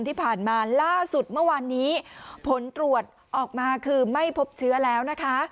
ที่ผ่านมาล่าสุดเมื่อวานนี้ผลตรวจออกมาคือไม่พบเชื้อแล้วนะคะ